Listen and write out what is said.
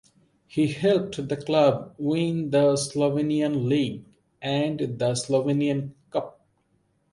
He helped the club win the Slovenian League and the Slovenian Cup.